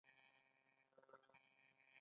ګوښه توب د ژبې د مړینې پیل دی.